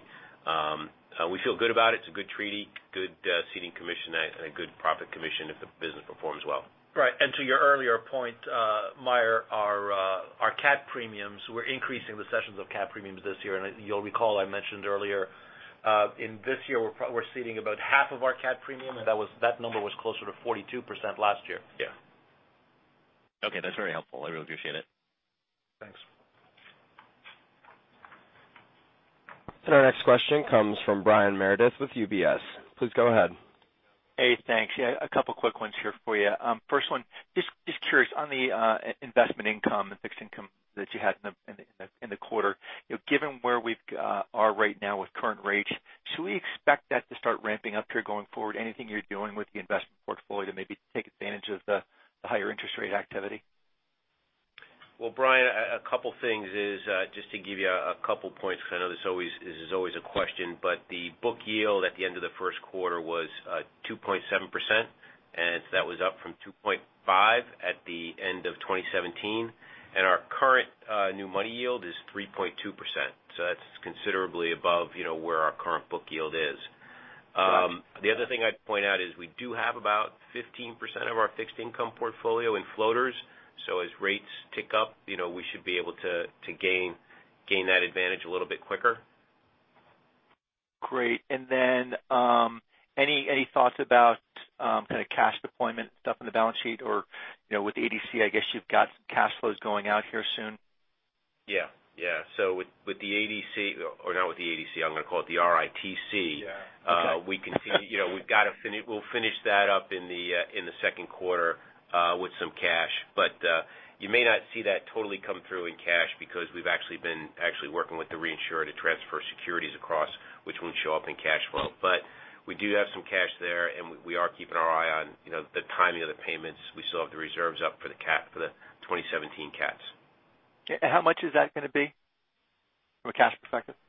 We feel good about it. It's a good treaty, good seeding commission, and a good profit commission if the business performs well. Right. To your earlier point, Meyer, our CAT premiums, we're increasing the sessions of CAT premiums this year. You'll recall I mentioned earlier, in this year we're seeding about half of our CAT premium, and that number was closer to 42% last year. Yeah. Okay. That's very helpful. I really appreciate it. Thanks. Our next question comes from Brian Meredith with UBS. Please go ahead. Hey, thanks. Yeah. A couple quick ones here for you. First one, just curious on the investment income and fixed income that you had in the quarter. Given where we are right now with current rates, should we expect that to start ramping up here going forward? Anything you're doing with the investment portfolio to maybe take advantage of the higher interest rate activity? Well, Brian, a couple things is just to give you a couple points because I know this is always a question, but the book yield at the end of the first quarter was 2.7%, and that was up from 2.5% at the end of 2017. Our current new money yield is 3.2%, so that's considerably above where our current book yield is. The other thing I'd point out is we do have about 15% of our fixed income portfolio in floaters. As rates tick up, we should be able to gain that advantage a little bit quicker. Great. Any thoughts about kind of cash deployment stuff in the balance sheet or with ADC, I guess you've got some cash flows going out here soon? Yeah. With the ADC, or not with the ADC, I'm going to call it the RITC. Yeah. Okay. We'll finish that up in the second quarter with some cash. You may not see that totally come through in cash because we've actually been working with the reinsurer to transfer securities across, which won't show up in cash flow. We do have some cash there, and we are keeping our eye on the timing of the payments. We still have the reserves up for the 2017 cats. Okay, how much is that going to be from a cash perspective?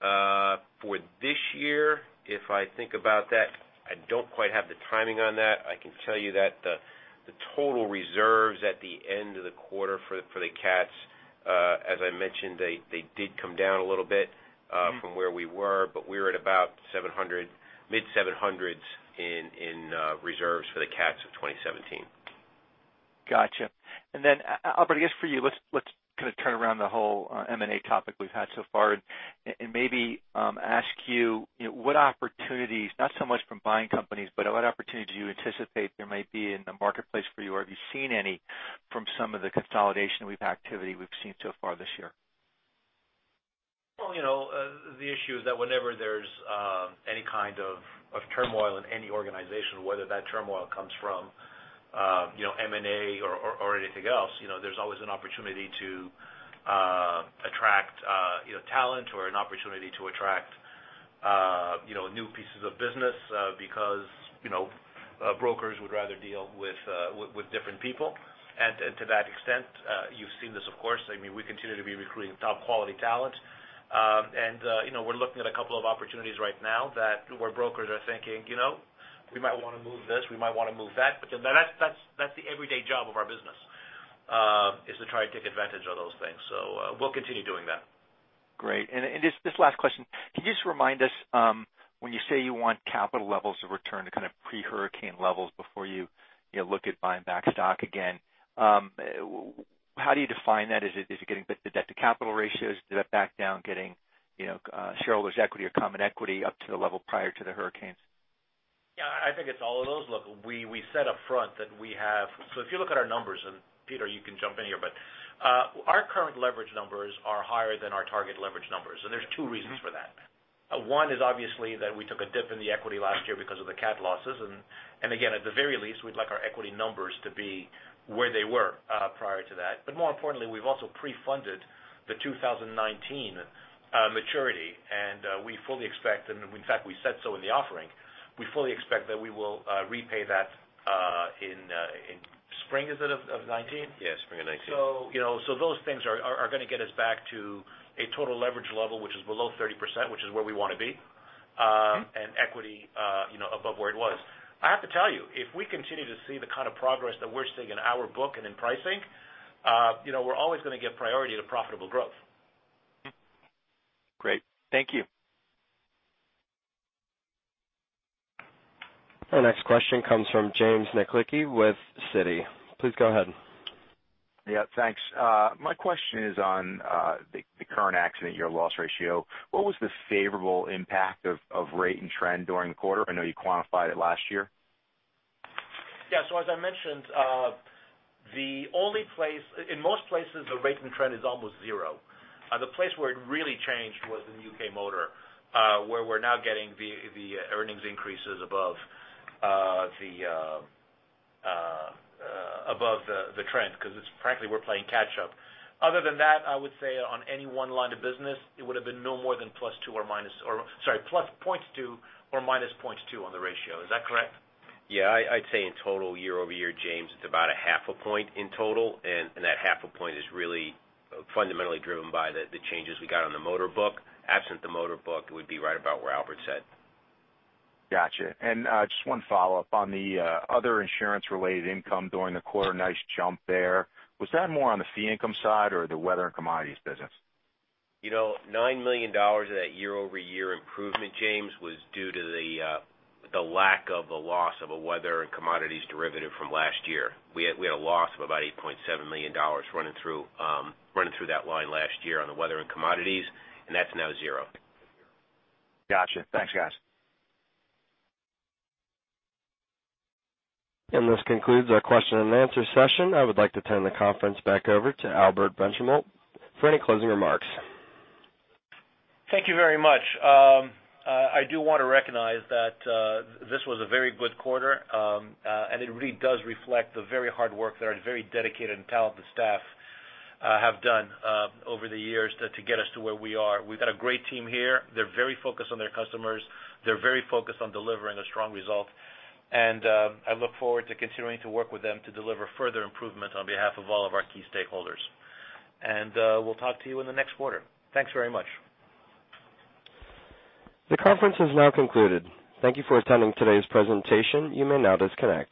For this year, if I think about that, I don't quite have the timing on that. I can tell you that the total reserves at the end of the quarter for the CATs, as I mentioned, they did come down a little bit from where we were. We were at about mid-700s in reserves for the CATs of 2017. Got you. Albert, I guess for you, let's kind of turn around the whole M&A topic we've had so far and maybe ask you what opportunities, not so much from buying companies, but what opportunities you anticipate there might be in the marketplace for you? Have you seen any from some of the consolidation activity we've seen so far this year? Well, the issue is that whenever there's any kind of turmoil in any organization, whether that turmoil comes from M&A or anything else, there's always an opportunity to attract talent or an opportunity to attract new pieces of business because brokers would rather deal with different people. To that extent, you've seen this, of course, we continue to be recruiting top quality talent. We're looking at a couple of opportunities right now where brokers are thinking, "We might want to move this, we might want to move that." That's the everyday job of our business, is to try to take advantage of those things. We'll continue doing that. Great. Just this last question. Can you just remind us, when you say you want capital levels to return to pre-hurricane levels before you look at buying back stock again, how do you define that? Is it getting the debt to capital ratios back down, getting shareholders' equity or common equity up to the level prior to the hurricanes? Yeah, I think it's all of those levels. We said upfront that we have. If you look at our numbers, and Peter, you can jump in here, but our current leverage numbers are higher than our target leverage numbers, and there's two reasons for that. One is obviously that we took a dip in the equity last year because of the CAT losses. Again, at the very least, we'd like our equity numbers to be where they were prior to that. More importantly, we've also pre-funded the 2019 maturity, and we fully expect, and in fact we said so in the offering, we fully expect that we will repay that in spring, is it, of 2019? Yes, spring of 2019. Those things are going to get us back to a total leverage level which is below 30%, which is where we want to be. Equity above where it was. I have to tell you, if we continue to see the kind of progress that we're seeing in our book and in pricing, we're always going to give priority to profitable growth. Great. Thank you. Our next question comes from James Niklicki with Citi. Please go ahead. Yeah, thanks. My question is on the current accident year loss ratio. What was the favorable impact of rate and trend during the quarter? I know you quantified it last year. Yeah. As I mentioned, in most places the rate and trend is almost zero. The place where it really changed was in U.K. motor, where we're now getting the earnings increases above the trend because frankly, we're playing catch up. Other than that, I would say on any one line of business, it would've been no more than plus two or minus Or sorry, plus 0.2 or minus 0.2 on the ratio. Is that correct? Yeah, I'd say in total year-over-year, James, it's about a half a point in total. That half a point is really fundamentally driven by the changes we got on the motor book. Absent the motor book, it would be right about where Albert said. Got you. Just one follow-up on the other insurance related income during the quarter. Nice jump there. Was that more on the fee income side or the weather and commodities business? $9 million of that year-over-year improvement, James, was due to the lack of the loss of a weather and commodities derivative from last year. We had a loss of about $8.7 million running through that line last year on the weather and commodities. That's now zero. Got you. Thanks, guys. This concludes our question and answer session. I would like to turn the conference back over to Albert Benchimol for any closing remarks. Thank you very much. I do want to recognize that this was a very good quarter, and it really does reflect the very hard work that our very dedicated and talented staff have done over the years to get us to where we are. We've got a great team here. They're very focused on their customers. They're very focused on delivering a strong result. I look forward to continuing to work with them to deliver further improvement on behalf of all of our key stakeholders. We'll talk to you in the next quarter. Thanks very much. The conference is now concluded. Thank you for attending today's presentation. You may now disconnect.